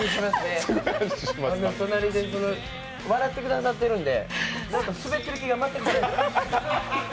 隣で笑ってくださってるんでスベってる気が全くしないです。